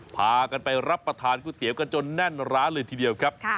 พากันไปรับประทานก๋วยเตี๋ยวกันจนแน่นร้านเลยทีเดียวครับ